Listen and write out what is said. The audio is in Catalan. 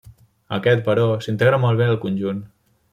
Aquest, però, s'integra molt bé al conjunt.